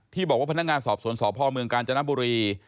ที่บอกว่าพนักงานสอบสนสภมกจบุรี